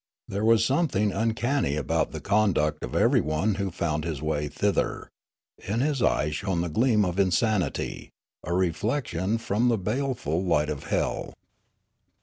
There was something uncanny about the conduct of everyone who found his way thither ; in his eye shone the gleam of insanity, a reflection from the baleful light of hell.